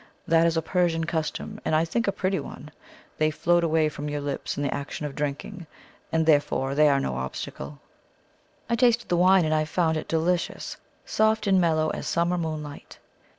That is a Persian custom, and I think a pretty one. They float away from your lips in the action of drinking, and therefore they are no obstacle." I tasted the wine and found it delicious, soft and mellow as summer moonlight.